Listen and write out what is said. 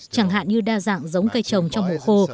chẳng hạn như đa dạng giống cây trồng trong mùa khô